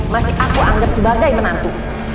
masih aku anggap sebagai menantu